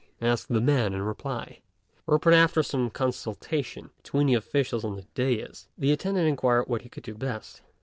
asked the man in reply; whereupon, after some consultation between the officials on the dais, the attendant inquired what he could do best.